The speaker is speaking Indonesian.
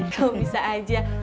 kau bisa aja